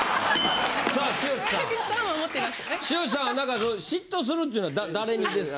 さあ塩地さん塩地さんは何か嫉妬するっていうのは誰にですか？